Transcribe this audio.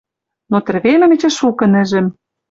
Но тӹрвемӹм эче шукы нӹжӹм